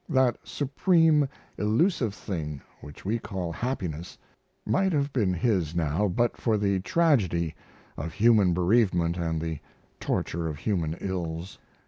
That supreme, elusive thing which we call happiness might have been his now but for the tragedy of human bereavement and the torture of human ills.